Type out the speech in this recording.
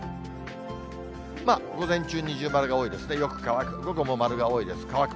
午前中、二重丸が多いですね、よく乾く、午後も丸が多いです、乾く。